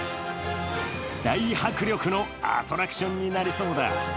大迫力のアトラクションになりそうだ。